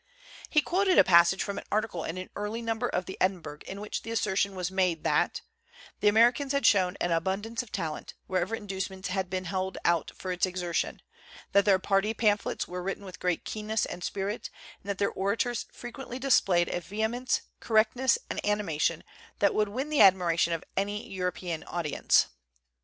He quoted a passage from an article in an early number of the Edinburgh in which the assertion was made that "the Americans had shown an abundance of talent, wherever inducements had been held out for its exertion; that their party pamphlets were written with great keenness and spirit; and that their orators frequently displayed a vehemence, correctness and animation, that would win the admiration of any European audience."